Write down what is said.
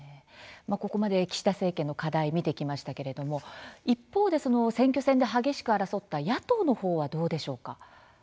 ここまで岸田政権の課題見てきましたけれども一方で選挙戦で激しく争った野党のほうはどうでしょうか。